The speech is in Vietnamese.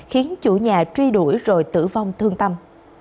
khiến chủ nhà truy đuổi rồi tử vong thương tâm